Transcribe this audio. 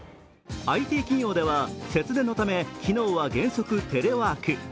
ＩＴ企業では節電のため昨日は原則、テレワーク。